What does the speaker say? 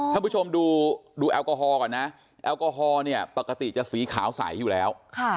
ท่านผู้ชมดูแอลกอฮอลก่อนนะแอลกอฮอล์เนี่ยปกติจะสีขาวใสอยู่แล้ว